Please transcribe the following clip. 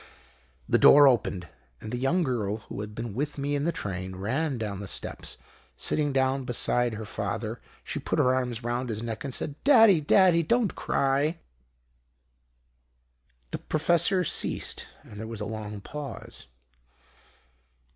"The door opened, and the young girl, who had been with me in the train, ran down the steps. Sitting down beside her father she put her arms round his neck and said, 'Daddy, Daddy, don't cry!'" The Professor ceased and there was a long pause.